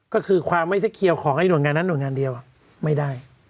ก็คือความไม่เสร็จเคี่ยวของนวติงานั้นนวติงานเดียวไม่ได้